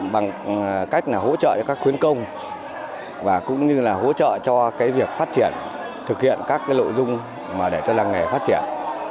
bằng cách hỗ trợ cho các khuyến công và cũng như là hỗ trợ cho việc phát triển thực hiện các nội dung mà để cho làng nghề phát triển